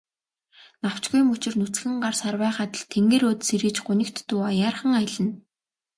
Навчгүй мөчир нүцгэн гар сарвайх адил тэнгэр өөд сэрийж, гунигт дуу аяархан аялна.